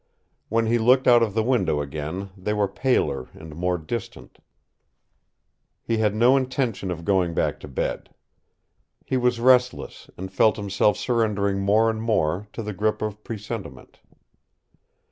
When he looked out of the window again they were paler and more distant. He had no intention of going back to bed. He was restless and felt himself surrendering more and more to the grip of presentiment.